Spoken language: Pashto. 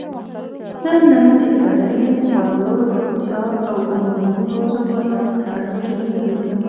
زه نن د کرنې ؛ خوړو؛ روغتیااو عمومي موضوع ګانو په اړه جملې لیکم.